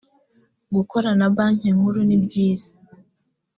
gukora na banki nkuru nibyiza